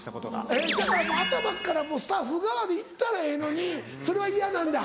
せやから頭っからもうスタッフ側で行ったらええのにそれは嫌なんだ？